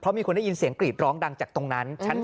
มีคนได้ยินเสียงกรีดร้องดังจากตรงนั้นชั้น๓